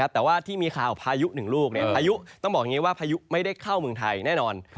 แต่ว่าที่มีข่าวพายุหนึ่งลูกพายุต้องบอกอย่างนี้ว่าพายุไม่ได้เข้าเมืองไทยแน่นอน